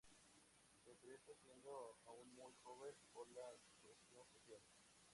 Se interesa, siendo aún muy joven, por la cuestión social.